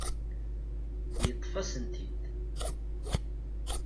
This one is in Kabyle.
Yeṭṭef-asent-t-id.